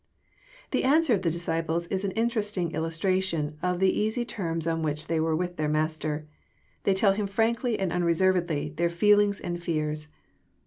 '] The answer of the disciples is an interesting illustration of the easy terms on which they were with their Master. They tell him ftankly and unreservedly their feelings and fears.